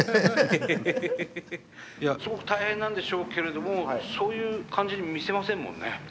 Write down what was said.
いやすごく大変なんでしょうけれどもそういう感じに見せませんもんね。